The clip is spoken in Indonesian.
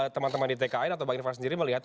teman teman di tki atau bagi anda sendiri melihat